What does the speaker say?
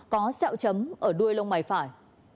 có xeo chấm ở đuôi lông mày phải